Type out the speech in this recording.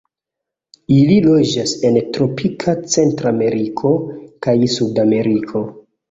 Ili loĝas en tropika Centrameriko kaj Sudameriko.